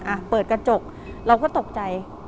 อ่ะเปิดกระจกเราก็ตกใจ